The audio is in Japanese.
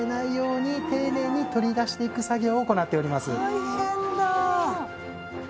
大変だあ。